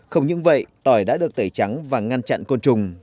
không những vậy tỏi đã được tẩy trắng và ngăn chặn côn trùng